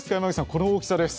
この大きさです！